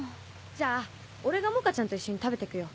じゃあ俺が萌花ちゃんと一緒に食べていくよ。